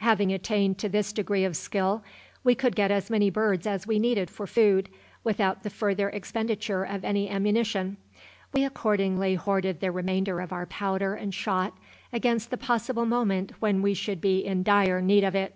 Having attained to this degree of skill, we could get as many birds as we needed for food without the further expenditure of any ammunition; we accordingly hoarded the remainder of our powder and shot against the possible moment when we should be in dire need of it.